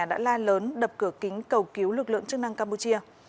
đã la lớn đập cửa kính cầu cứu lực lượng chức năng campuchia